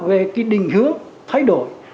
về định hướng thay đổi